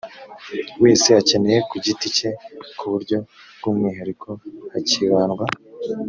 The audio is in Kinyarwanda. wese akeneye ku giti cye ku buryo bw umwihariko hakibandwa